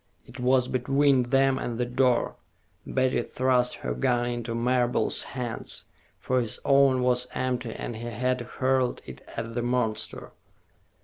It was between them and the door. Betty thrust her gun into Marable's hands, for his own was empty and he had hurled it at the monster.